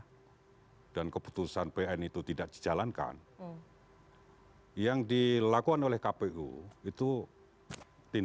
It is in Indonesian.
jadi kpu bisa melakukan ces ruangan ho moni